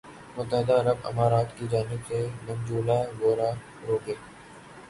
متحدہ عرب امارات کی جانب سے منجولا گوروگے